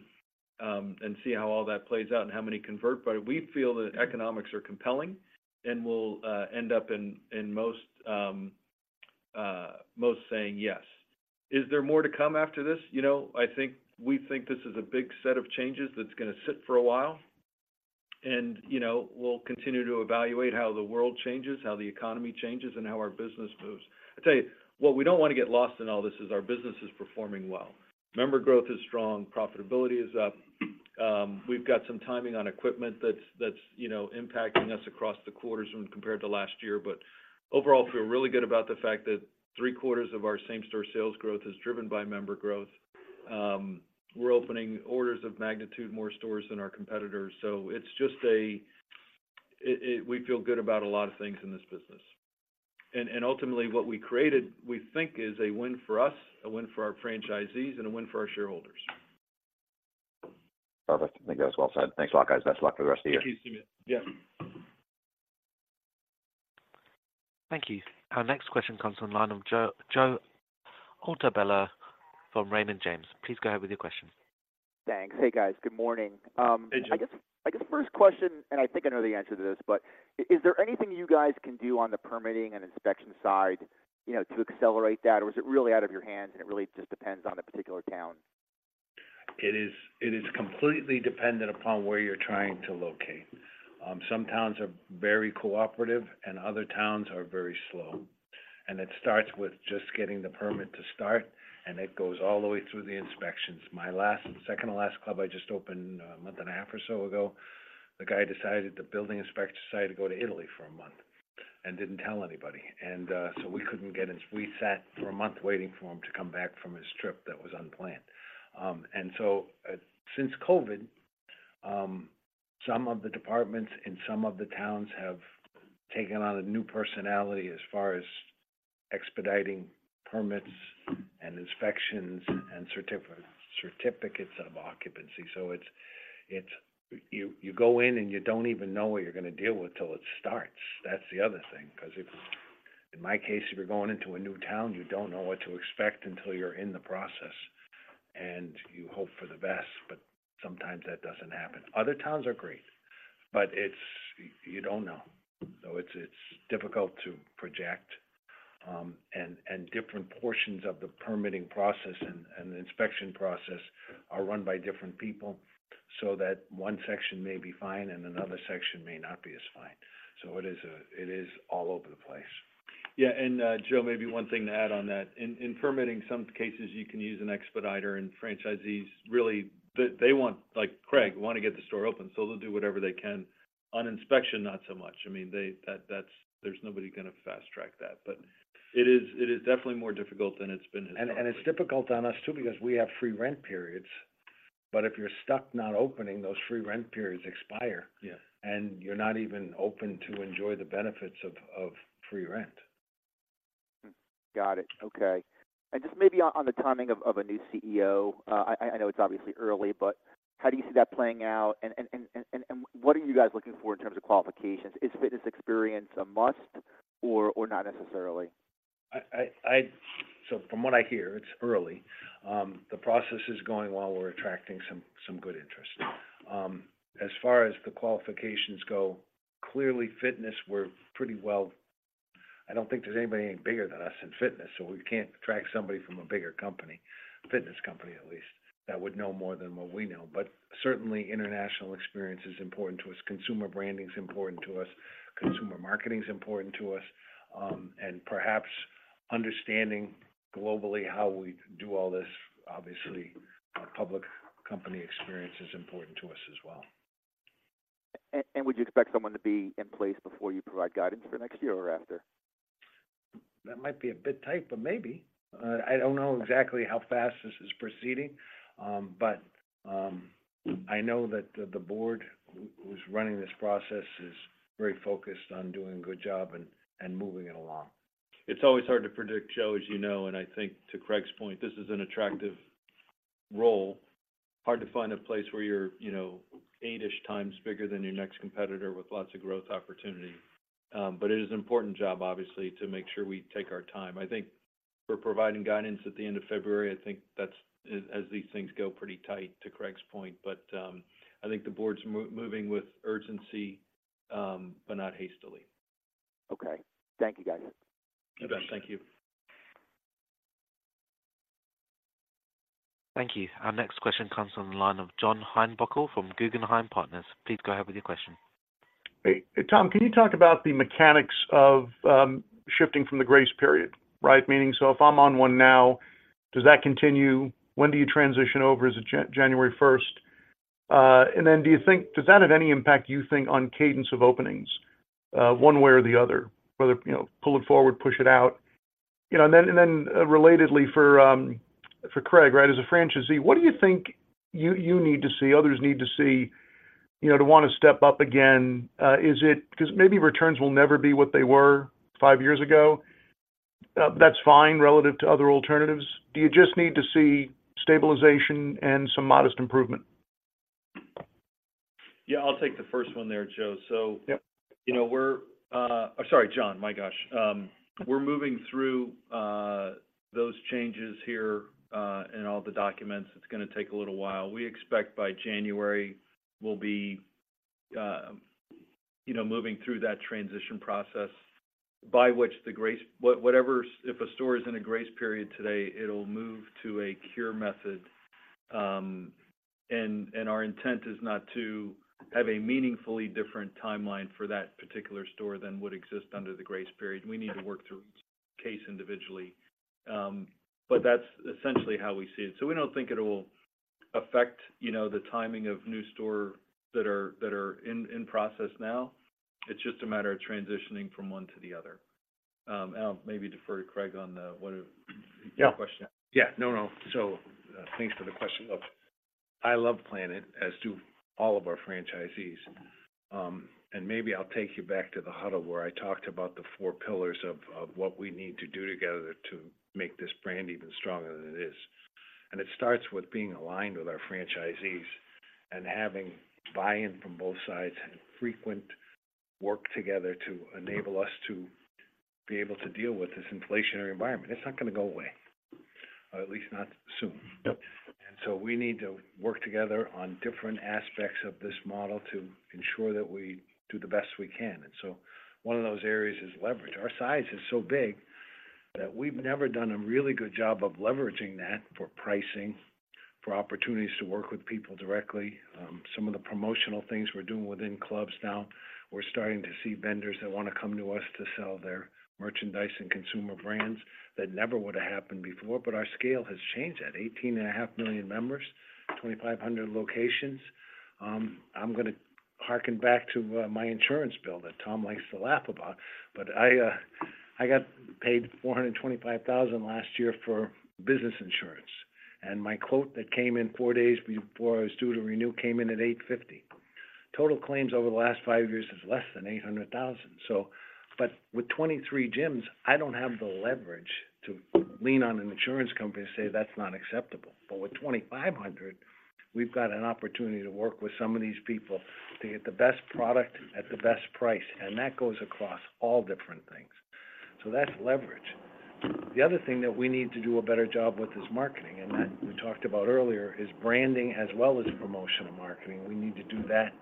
see how all that plays out and how many convert, but we feel the economics are compelling and will end up in most saying yes. Is there more to come after this? You know, I think we think this is a big set of changes that's gonna sit for a while. You know, we'll continue to evaluate how the world changes, how the economy changes, and how our business moves. I tell you, what we don't want to get lost in all this is our business is performing well. Member growth is strong, profitability is up. We've got some timing on equipment that's, you know, impacting us across the quarters when compared to last year. But overall, feel really good about the fact that three-quarters of our same-store sales growth is driven by member growth. We're opening orders of magnitude more stores than our competitors, so it's just we feel good about a lot of things in this business. Ultimately, what we created, we think, is a win for us, a win for our franchisees, and a win for our shareholders. Perfect. I think that was well said. Thanks a lot, guys. Best of luck for the rest of the year. Thank you, Simeon. Yeah. Thank you. Our next question comes from the line of Joe, Joe Altobello from Raymond James. Please go ahead with your question. Thanks. Hey, guys. Good morning. Hey, Joe. I guess, I guess first question, and I think I know the answer to this, but is there anything you guys can do on the permitting and inspection side, you know, to accelerate that? Or is it really out of your hands, and it really just depends on the particular town? It is completely dependent upon where you're trying to locate. Some towns are very cooperative, and other towns are very slow. It starts with just getting the permit to start, and it goes all the way through the inspections. My second to last club, I just opened a month and a half or so ago. The guy decided... the building inspector decided to go to Italy for a month and didn't tell anybody. So we couldn't get his-- we sat for a month waiting for him to come back from his trip that was unplanned. Since COVID, some of the departments in some of the towns have taken on a new personality as far as expediting permits and inspections and certificates of occupancy. So it's... You, you go in, and you don't even know what you're gonna deal with till it starts. That's the other thing, 'cause if, in my case, if you're going into a new town, you don't know what to expect until you're in the process, and you hope for the best, but sometimes that doesn't happen. Other towns are great, but it's... You don't know. So it's, it's difficult to project. And, and different portions of the permitting process and, and the inspection process are run by different people, so that one section may be fine and another section may not be as fine. So it is, it is all over the place. Yeah, and, Joe, maybe one thing to add on that. In permitting some cases, you can use an expediter, and franchisees, really, they want, like Craig, want to get the store open, so they'll do whatever they can. On inspection, not so much. I mean, that's-- there's nobody gonna fast track that. But it is definitely more difficult than it's been in the past. It's difficult on us, too, because we have free rent periods, but if you're stuck not opening, those free rent periods expire. Yeah. You're not even open to enjoy the benefits of free rent. Hmm. Got it. Okay. And just maybe on the timing of a new CEO, I know it's obviously early, but how do you see that playing out? And what are you guys looking for in terms of qualifications? Is fitness experience a must or not necessarily? So from what I hear, it's early. The process is going well. We're attracting some good interest. As far as the qualifications go, clearly fitness. I don't think there's anybody any bigger than us in fitness, so we can't attract somebody from a bigger company, fitness company at least, that would know more than what we know. But certainly, international experience is important to us. Consumer branding is important to us, consumer marketing is important to us, and perhaps understanding globally how we do all this. Obviously, a public company experience is important to us as well. Would you expect someone to be in place before you provide guidance for next year or after? That might be a bit tight, but maybe. I don't know exactly how fast this is proceeding, but I know that the board who's running this process is very focused on doing a good job and moving it along. It's always hard to predict, Joe, as you know, and I think to Craig's point, this is an attractive role. Hard to find a place where you're, you know, eight-ish times bigger than your next competitor with lots of growth opportunity. But it is an important job, obviously, to make sure we take our time. I think we're providing guidance at the end of February. I think that's, as, as these things go, pretty tight to Craig's point. But, I think the board's moving with urgency, but not hastily. Okay. Thank you, guys. You bet. Thank you. Thank you. Our next question comes from the line of John Heinbockel from Guggenheim Securities. Please go ahead with your question. Hey. Tom, can you talk about the mechanics of shifting from the grace period, right? Meaning, so if I'm on one now, does that continue? When do you transition over? Is it January 1st? And then do you think, does that have any impact, you think, on cadence of openings, one way or the other, whether, you know, pull it forward, push it out? You know, and then, and then, relatedly, for Craig, right, as a franchisee, what do you think you, you need to see, others need to see, you know, to want to step up again? Is it, because maybe returns will never be what they were five years ago. That's fine relative to other alternatives. Do you just need to see stabilization and some modest improvement? Yeah, I'll take the first one there, Joe. So- Yep. You know, we're... Sorry, John. My gosh. We're moving through those changes here and all the documents. It's gonna take a little while. We expect by January, we'll be, you know, moving through that transition process by which the grace period—if a store is in a grace period today, it'll move to a cure period. And our intent is not to have a meaningfully different timeline for that particular store than would exist under the grace period. We need to work through each case individually. But that's essentially how we see it. So we don't think it'll affect, you know, the timing of new store that are in process now. It's just a matter of transitioning from one to the other. And I'll maybe defer to Craig on the what. Yeah. -question. Yeah. No, no. So, thanks for the question. Look, I love Planet, as do all of our franchisees. And maybe I'll take you back to the Huddle, where I talked about the four pillars of what we need to do together to make this brand even stronger than it is. And it starts with being aligned with our franchisees and having buy-in from both sides and frequent work together to enable us to be able to deal with this inflationary environment. It's not gonna go away, or at least not soon. Yep. We need to work together on different aspects of this model to ensure that we do the best we can. So one of those areas is leverage. Our size is so big that we've never done a really good job of leveraging that for pricing, for opportunities to work with people directly. Some of the promotional things we're doing within clubs now, we're starting to see vendors that want to come to us to sell their merchandise and consumer brands. That never would have happened before, but our scale has changed at 18.5 million members, 2,500 locations. I'm gonna hearken back to my insurance bill that Tom likes to laugh about, but I got paid $425,000 last year for business insurance, and my quote that came in four days before I was due to renew came in at $850. Total claims over the last 5 years is less than $800,000. So, but with 23 gyms, I don't have the leverage to lean on an insurance company and say, "That's not acceptable." But with 2,500, we've got an opportunity to work with some of these people to get the best product at the best price, and that goes across all different things. So that's leverage. The other thing that we need to do a better job with is marketing, and that we talked about earlier, is branding as well as promotional marketing. We need to do that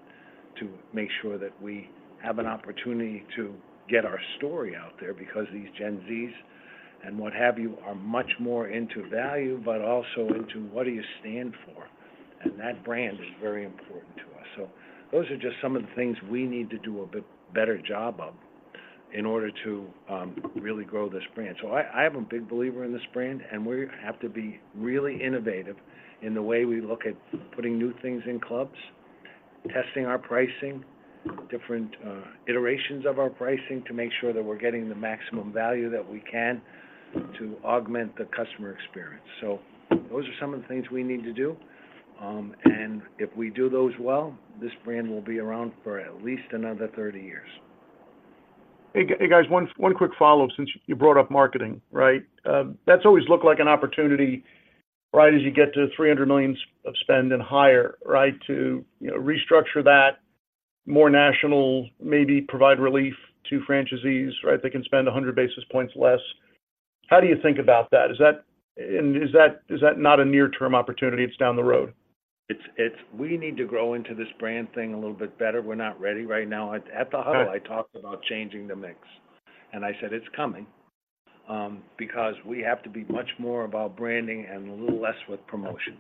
to make sure that we have an opportunity to get our story out there because these Gen Z and what have you are much more into value, but also into what do you stand for, and that brand is very important to us. So those are just some of the things we need to do a bit better job of in order to really grow this brand. So I am a big believer in this brand, and we have to be really innovative in the way we look at putting new things in clubs, testing our pricing, different iterations of our pricing, to make sure that we're getting the maximum value that we can to augment the customer experience. So those are some of the things we need to do. If we do those well, this brand will be around for at least another 30 years. Hey, guys, one quick follow-up, since you brought up marketing, right? That's always looked like an opportunity, right, as you get to $300 million of spend and higher, right? To, you know, restructure that, more national, maybe provide relief to franchisees, right? They can spend 100 basis points less.... How do you think about that? Is that, and is that, is that not a near-term opportunity? It's down the road? We need to grow into this brand thing a little bit better. We're not ready right now. Okay. At the Huddle, I talked about changing the mix, and I said it's coming, because we have to be much more about branding and a little less with promotion.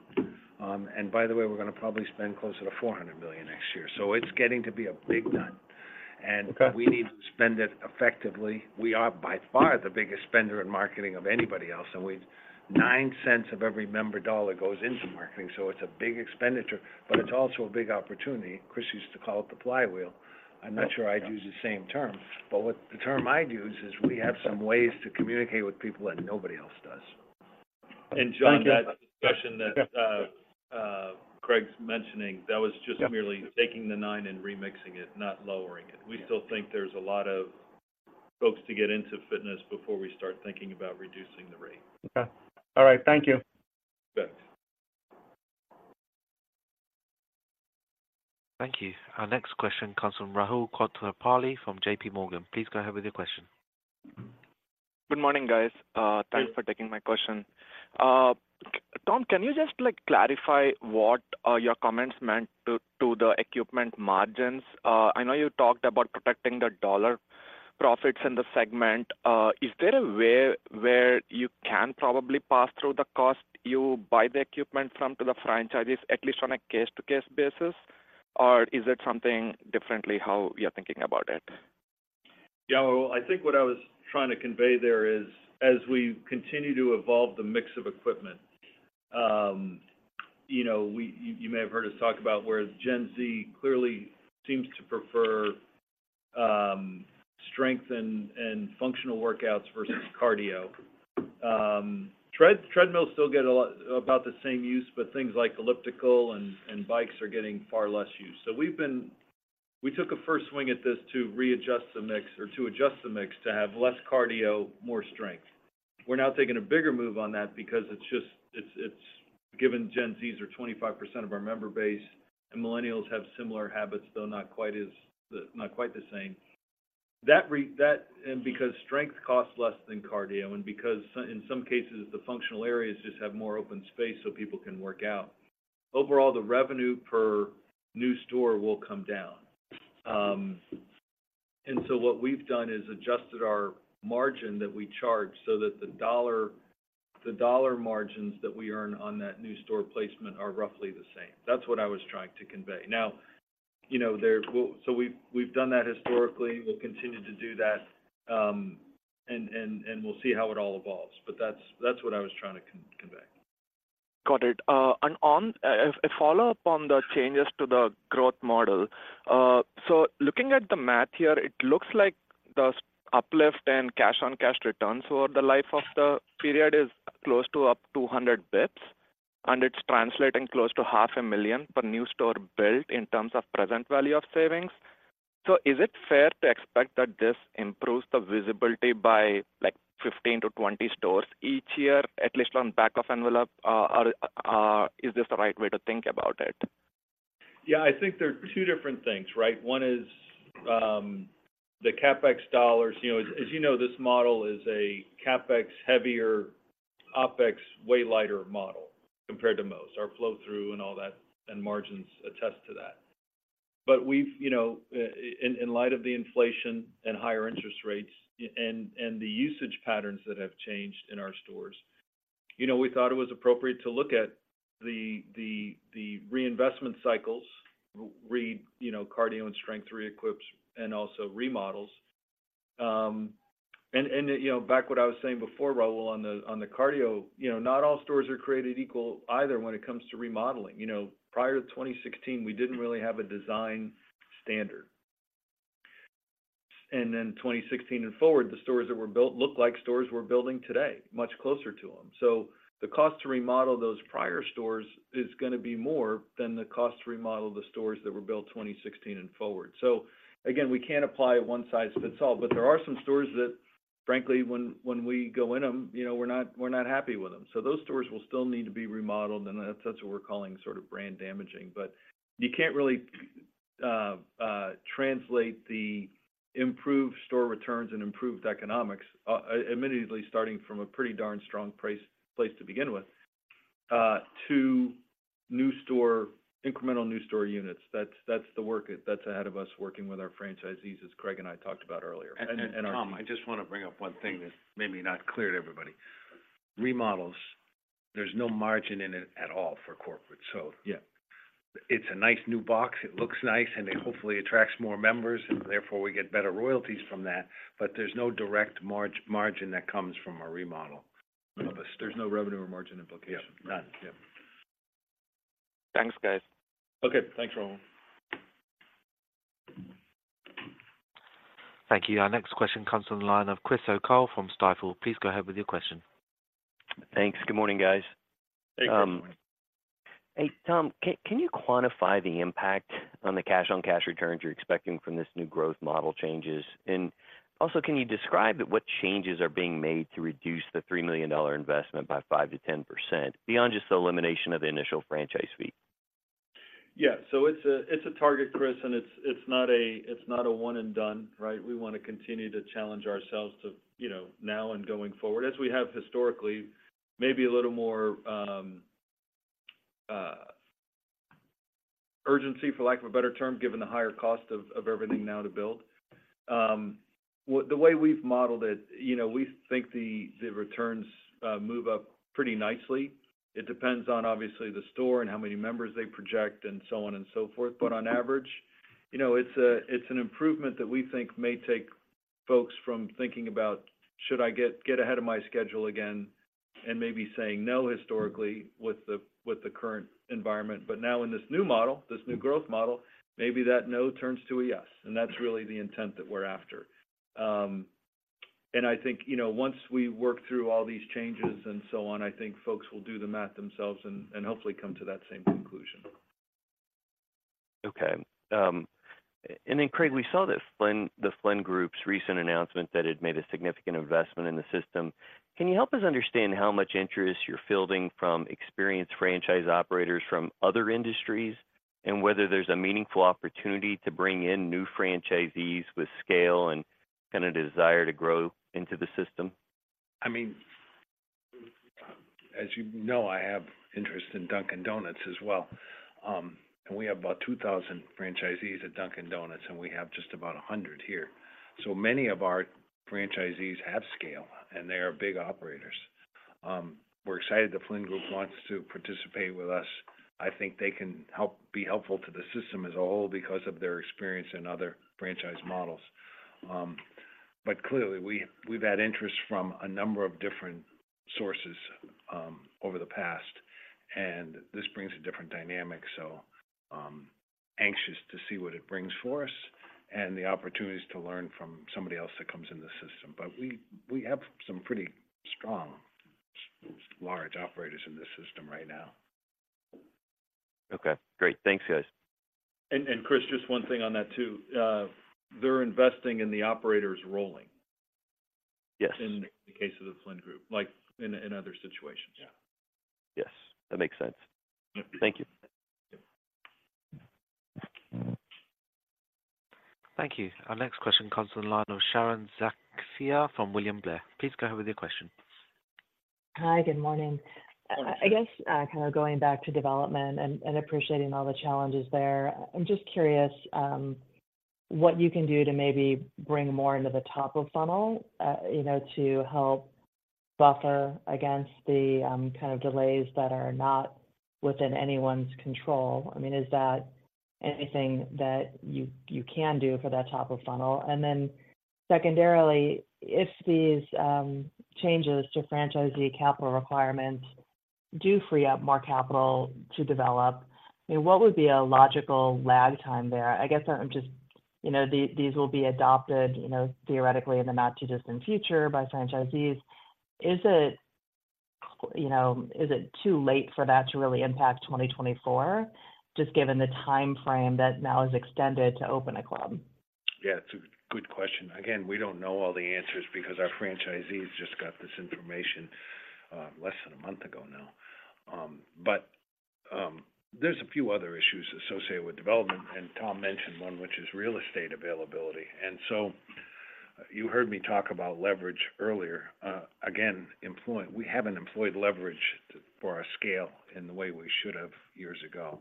And by the way, we're gonna probably spend closer to $400 million next year, so it's getting to be a big nut. Okay. We need to spend it effectively. We are by far the biggest spender in marketing of anybody else, and nine cents of every member dollar goes into marketing, so it's a big expenditure, but it's also a big opportunity. Chris used to call it the flywheel. Yep. I'm not sure I'd use the same term, but what the term I'd use is we have some ways to communicate with people that nobody else does. Thank you. John, that discussion that Craig's mentioning, that was just- Yep... merely taking the 9 and remixing it, not lowering it. We still think there's a lot of folks to get into fitness before we start thinking about reducing the rate. Okay. All right. Thank you. You bet. Thank you. Our next question comes from Rahul Krotthapalli from J.P. Morgan. Please go ahead with your question. Good morning, guys. Hey... thanks for taking my question. Tom, can you just, like, clarify what your comments meant to the equipment margins? I know you talked about protecting the dollar profits in the segment. Is there a way where you can probably pass through the cost you buy the equipment from to the franchises, at least on a case-to-case basis? Or is it something differently how you're thinking about it? Yeah, well, I think what I was trying to convey there is, as we continue to evolve the mix of equipment, you know, you may have heard us talk about where Gen Z clearly seems to prefer, strength and functional workouts versus cardio. Treadmills still get a lot, about the same use, but things like elliptical and bikes are getting far less use. So we took a first swing at this to readjust the mix or to adjust the mix to have less cardio, more strength. We're now taking a bigger move on that because it's just given Gen Zs are 25% of our member base, and Millennials have similar habits, though not quite as the, not quite the same. That re- that... And because strength costs less than cardio and because in some cases, the functional areas just have more open space so people can work out. Overall, the revenue per new store will come down. And so what we've done is adjusted our margin that we charge so that the dollar, the dollar margins that we earn on that new store placement are roughly the same. That's what I was trying to convey. Now, you know, so we've, we've done that historically, we'll continue to do that, and, and, and we'll see how it all evolves, but that's, that's what I was trying to convey. Got it. And on a follow-up on the changes to the growth model. So looking at the math here, it looks like the uplift and cash-on-cash returns over the life of the period is close to up 200 bps, and it's translating close to $500,000 per new store built in terms of present value of savings. So is it fair to expect that this improves the visibility by, like, 15-20 stores each year, at least on back-of-envelope? Or is this the right way to think about it? Yeah, I think there are two different things, right? One is the CapEx dollars. You know, as you know, this model is a CapEx heavier, OpEx way lighter model compared to most. Our flow-through and all that, and margins attest to that. But we've, you know, in light of the inflation and higher interest rates and the usage patterns that have changed in our stores, you know, we thought it was appropriate to look at the reinvestment cycles, you know, cardio and strength re-equips and also remodels. And, you know, back what I was saying before, Rahul, on the cardio, you know, not all stores are created equal either when it comes to remodeling. You know, prior to 2016, we didn't really have a design standard. Then 2016 and forward, the stores that were built looked like stores we're building today, much closer to them. So the cost to remodel those prior stores is gonna be more than the cost to remodel the stores that were built 2016 and forward. So again, we can't apply a one-size-fits-all, but there are some stores that, frankly, when we go in them, you know, we're not, we're not happy with them. So those stores will still need to be remodeled, and that's what we're calling sort of brand damaging. But you can't really translate the improved store returns and improved economics immediately starting from a pretty darn strong starting place to begin with to new store, incremental new store units. That's the work that's ahead of us, working with our franchisees, as Craig and I talked about earlier. And our- Tom, I just want to bring up one thing that's maybe not clear to everybody. Remodels, there's no margin in it at all for corporate. So- Yeah... it's a nice new box. It looks nice, and it hopefully attracts more members, and therefore, we get better royalties from that. But there's no direct margin that comes from a remodel. None. There's no revenue or margin implication. Yeah. None. Yeah. Thanks, guys. Okay. Thanks, Rahul. Thank you. Our next question comes from the line of Chris O'Cull from Stifel. Please go ahead with your question. Thanks. Good morning, guys. Hey, good morning. Hey, Tom, can you quantify the impact on the cash-on-cash returns you're expecting from this new growth model changes? And also, can you describe what changes are being made to reduce the $3 million investment by 5%-10%, beyond just the elimination of the initial franchise fee?... Yeah, so it's a target, Chris, and it's not a one and done, right? We wanna continue to challenge ourselves to, you know, now and going forward, as we have historically, maybe a little more urgency, for lack of a better term, given the higher cost of everything now to build. The way we've modeled it, you know, we think the returns move up pretty nicely. It depends on obviously the store and how many members they project, and so on and so forth. But on average, you know, it's an improvement that we think may take folks from thinking about, "Should I get ahead of my schedule again?" And maybe saying no historically with the current environment. But now in this new growth model, maybe that no turns to a yes, and that's really the intent that we're after. And I think, you know, once we work through all these changes and so on, I think folks will do the math themselves and, and hopefully come to that same conclusion. Okay. And then, Craig, we saw that Flynn, the Flynn Group's recent announcement that it had made a significant investment in the system. Can you help us understand how much interest you're fielding from experienced franchise operators from other industries, and whether there's a meaningful opportunity to bring in new franchisees with scale and, and a desire to grow into the system? I mean, as you know, I have interest in Dunkin' Donuts as well. We have about 2,000 franchisees at Dunkin' Donuts, and we have just about 100 here. So many of our franchisees have scale, and they are big operators. We're excited the Flynn Group wants to participate with us. I think they can help be helpful to the system as a whole because of their experience in other franchise models. But clearly, we, we've had interest from a number of different sources, over the past, and this brings a different dynamic, so, anxious to see what it brings for us and the opportunities to learn from somebody else that comes in the system. But we, we have some pretty strong, large operators in this system right now. Okay, great. Thanks, guys. Chris, just one thing on that, too. They're investing in the operators rolling- Yes in the case of the Flynn Group, like in other situations. Yeah. Yes, that makes sense. Thank you. Thank you. Thank you. Our next question comes from the line of Sharon Zackfia from William Blair. Please go ahead with your question. Hi, good morning. Good morning. I guess, kind of going back to development and appreciating all the challenges there, I'm just curious what you can do to maybe bring more into the top of funnel, you know, to help buffer against the kind of delays that are not within anyone's control. I mean, is that anything that you can do for that top of funnel? And then secondarily, if these changes to franchisee capital requirements do free up more capital to develop, I mean, what would be a logical lag time there? I guess I'm just... You know, these will be adopted, you know, theoretically, in the not-too-distant future by franchisees. Is it, you know, is it too late for that to really impact 2024, just given the timeframe that now is extended to open a club? Yeah, it's a good question. Again, we don't know all the answers because our franchisees just got this information less than a month ago now. But there's a few other issues associated with development, and Tom mentioned one, which is real estate availability. And so you heard me talk about leverage earlier. Again, we haven't employed leverage for our scale in the way we should have years ago.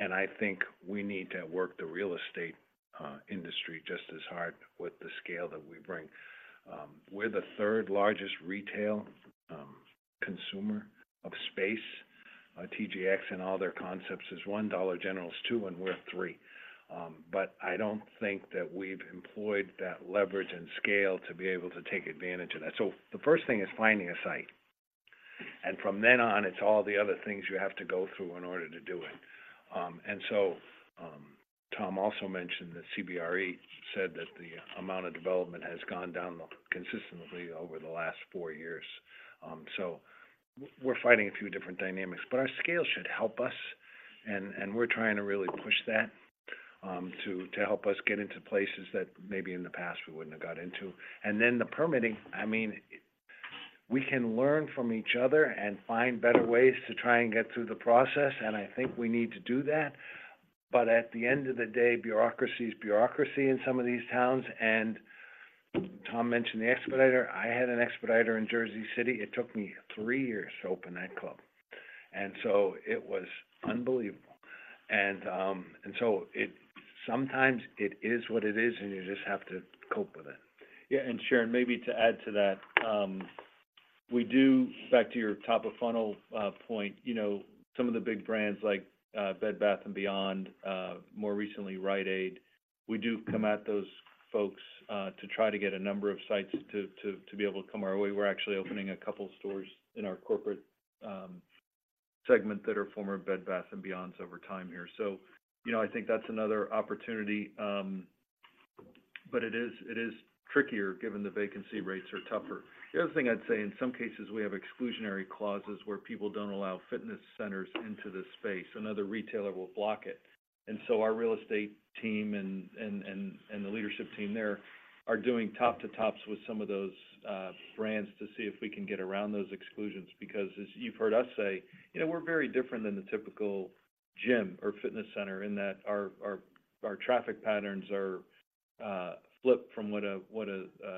And I think we need to work the real estate industry just as hard with the scale that we bring. We're the third largest retail consumer of space. TJX and all their concepts is one, Dollar General is two, and we're three. But I don't think that we've employed that leverage and scale to be able to take advantage of that. So the first thing is finding a site, and from then on, it's all the other things you have to go through in order to do it. Tom also mentioned that CBRE said that the amount of development has gone down consistently over the last four years. So we're fighting a few different dynamics, but our scale should help us, and we're trying to really push that to help us get into places that maybe in the past we wouldn't have got into. And then the permitting, I mean, we can learn from each other and find better ways to try and get through the process, and I think we need to do that. But at the end of the day, bureaucracy is bureaucracy in some of these towns, and Tom mentioned the expediter. I had an expediter in Jersey City. It took me three years to open that club, and so it was unbelievable. And, and so sometimes it is what it is, and you just have to cope with it. Yeah, and, Sharon, maybe to add to that, we do, back to your top of funnel point, you know, some of the big brands like Bed Bath & Beyond, more recently, Rite Aid, we do come at those folks to try to get a number of sites to be able to come our way. We're actually opening a couple stores in our corporate segment that are former Bed Bath & Beyonds over time here. So, you know, I think that's another opportunity, but it is trickier, given the vacancy rates are tougher. The other thing I'd say, in some cases, we have exclusionary clauses where people don't allow fitness centers into the space. Another retailer will block it.... And so our real estate team and the leadership team there are doing top-to-tops with some of those brands to see if we can get around those exclusions. Because as you've heard us say, you know, we're very different than the typical gym or fitness center in that our traffic patterns are flipped from what the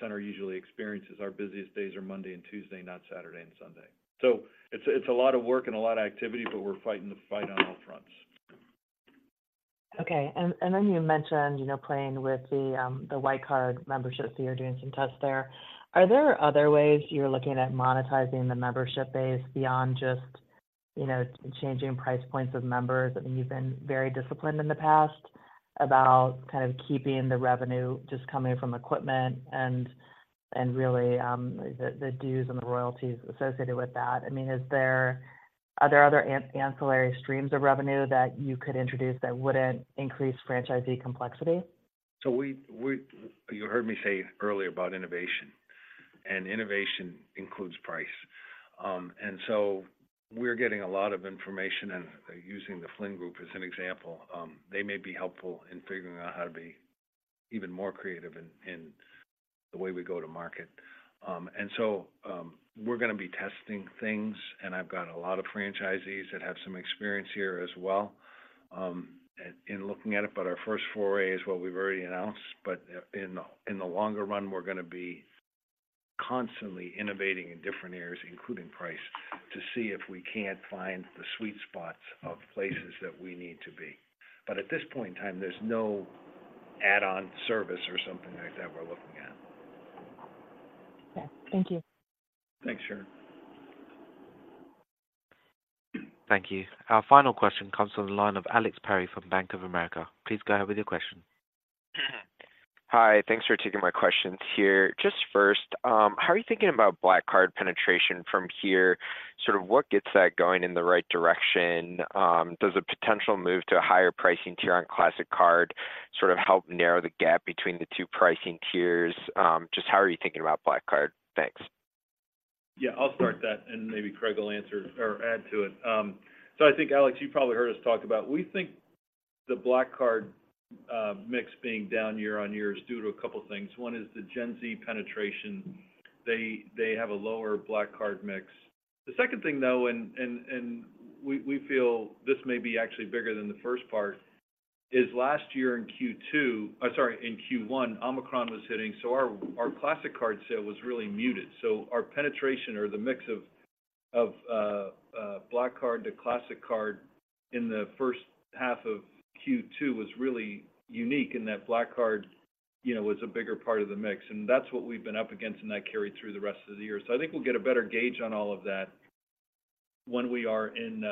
center usually experiences. Our busiest days are Monday and Tuesday, not Saturday and Sunday. So it's a lot of work and a lot of activity, but we're fighting the fight on all fronts. Okay. And then you mentioned, you know, playing with the white card memberships, that you're doing some tests there. Are there other ways you're looking at monetizing the membership base beyond just, you know, changing price points of members? I mean, you've been very disciplined in the past about kind of keeping the revenue just coming from equipment and really the dues and the royalties associated with that. I mean, is there, are there other ancillary streams of revenue that you could introduce that wouldn't increase franchisee complexity? So you heard me say earlier about innovation, and innovation includes price. And so we're getting a lot of information, and using the Flynn Group as an example, they may be helpful in figuring out how to be even more creative in the way we go to market. And so, we're gonna be testing things, and I've got a lot of franchisees that have some experience here as well, in looking at it. But our first foray is what we've already announced. But in the longer run, we're gonna be constantly innovating in different areas, including price, to see if we can't find the sweet spots of places that we need to be. But at this point in time, there's no add-on service or something like that we're looking at. Okay, thank you. Thanks, Sharon. Thank you. Our final question comes from the line of Alex Perry from Bank of America. Please go ahead with your question. Hi, thanks for taking my questions here. Just first, how are you thinking about Black Card penetration from here? Sort of what gets that going in the right direction? Does a potential move to a higher pricing tier on Classic Card sort of help narrow the gap between the two pricing tiers? Just how are you thinking about Black Card? Thanks. Yeah, I'll start that, and maybe Craig will answer or add to it. So I think, Alex, you've probably heard us talk about... We think the Black Card mix being down year-over-year is due to a couple things. One is the Gen Z penetration. They have a lower Black Card mix. The second thing, though, and we feel this may be actually bigger than the first part, is last year in Q2, sorry, in Q1, Omicron was hitting, so our Classic Card sale was really muted. So our penetration or the mix of Black Card to Classic Card in the first half of Q2 was really unique in that Black Card, you know, was a bigger part of the mix, and that's what we've been up against, and that carried through the rest of the year. So I think we'll get a better gauge on all of that when we are in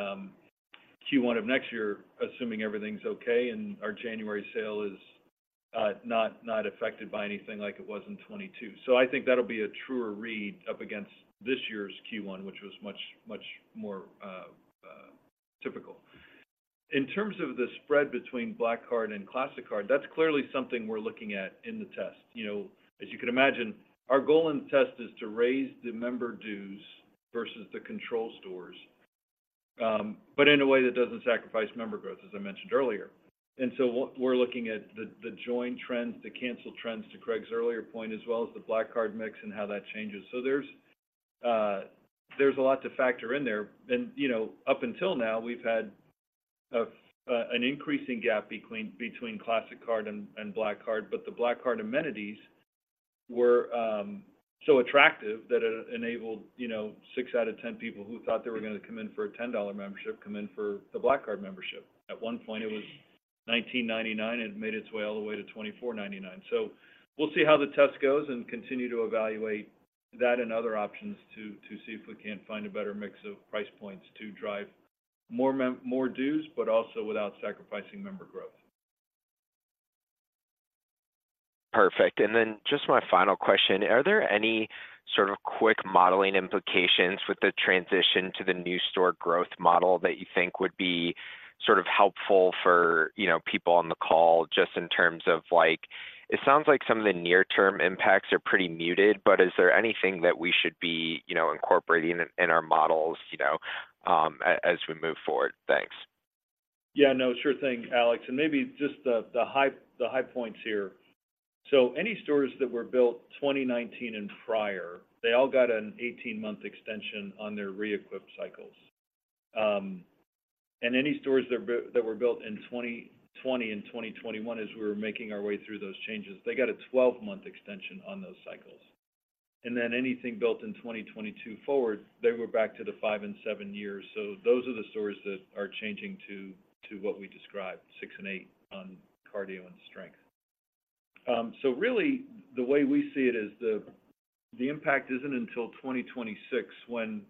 Q1 of next year, assuming everything's okay and our January sale is not affected by anything like it was in 2022. So I think that'll be a truer read up against this year's Q1, which was much, much more typical. In terms of the spread between Black Card and Classic Card, that's clearly something we're looking at in the test. You know, as you can imagine, our goal in the test is to raise the member dues versus the control stores, but in a way that doesn't sacrifice member growth, as I mentioned earlier. And so what we're looking at, the join trends, the cancel trends, to Craig's earlier point, as well as the Black Card mix and how that changes. So there's a lot to factor in there. And, you know, up until now, we've had an increasing gap between Classic Card and Black Card, but the Black Card amenities were so attractive that it enabled, you know, 6 out of 10 people who thought they were gonna come in for a $10 membership, come in for the Black Card membership. At one point, it was $19.99, and it made its way all the way to $24.99. So we'll see how the test goes and continue to evaluate that and other options to see if we can't find a better mix of price points to drive more dues, but also without sacrificing member growth. Perfect. And then just my final question: Are there any sort of quick modeling implications with the transition to the new growth model that you think would be sort of helpful for, you know, people on the call, just in terms of, like... It sounds like some of the near-term impacts are pretty muted, but is there anything that we should be, you know, incorporating in our models, you know, as we move forward? Thanks. Yeah, no, sure thing, Alex. And maybe just the high points here. So any stores that were built 2019 and prior, they all got an 18-month extension on their re-equip cycles. And any stores that were built in 2020 and 2021, as we were making our way through those changes, they got a 12-month extension on those cycles. And then anything built in 2022 forward, they were back to the 5 and 7 years. So those are the stores that are changing to what we described, 6 and 8 on cardio and strength. So really, the way we see it is the impact isn't until 2026, when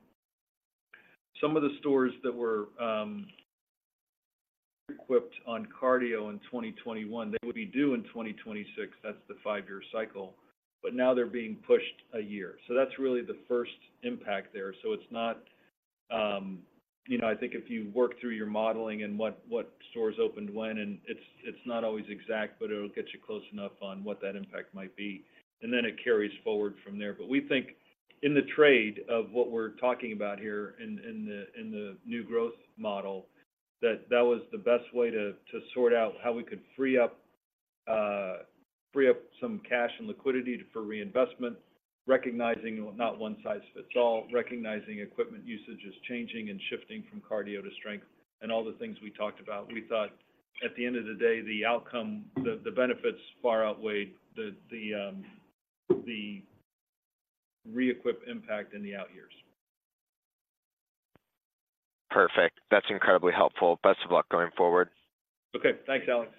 some of the stores that were equipped on cardio in 2021, they would be due in 2026. That's the 5-year cycle. But now they're being pushed a year. So that's really the first impact there, so it's not... You know, I think if you work through your modeling and what stores opened when, and it's not always exact, but it'll get you close enough on what that impact might be, and then it carries forward from there. But we think in the trade of what we're talking about here in the new growth model, that that was the best way to sort out how we could free up some cash and liquidity for reinvestment, recognizing not one size fits all, recognizing equipment usage is changing and shifting from cardio to strength, and all the things we talked about. We thought, at the end of the day, the outcome, the benefits far outweighed the re-equip impact in the out years. Perfect. That's incredibly helpful. Best of luck going forward. Okay. Thanks, Alex.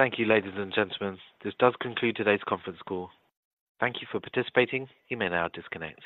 Thank you, ladies and gentlemen. This does conclude today's conference call. Thank you for participating. You may now disconnect.